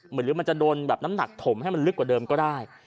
หรือมันจะโดนแบบน้ำหนักถมให้มันลึกกว่าเดิมก็ได้